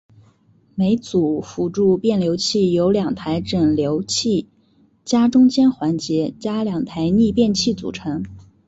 每组辅助变流器由两台整流器加中间环节加两台逆变器组成。